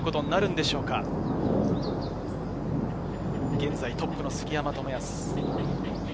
現在トップの杉山知靖。